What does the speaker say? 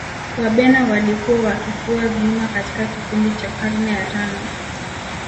Wabena walikuwa wakifua vyuma katika kipindi cha karne ya tano